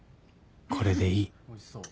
これでいいあっ！